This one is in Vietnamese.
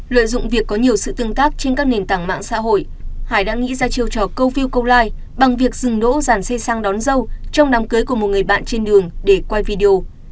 lợi dụng việc có nhiều sự tương tác trên các nền tảng mạng xã hội hải đã nghĩ ra chiêu trò câu view câu like bằng việc dừng đỗ giàn xe xăng đón dâu trong đám cưới của một người bạn trên đường để quay video